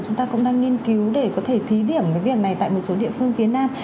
chúng ta cũng đang nghiên cứu để có thể thí điểm cái việc này tại một số địa phương phía nam